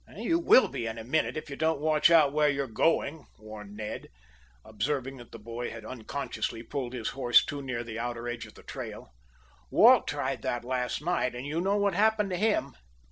"You will be in a minute, if you don't watch out where you are going," warned Ned, observing that the boy had unconsciously pulled his horse too near the outer edge of the trail. "Walt tried that last night, and you know what happened to him."